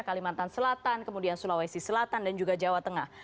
kalimantan selatan kemudian sulawesi selatan dan juga jawa tengah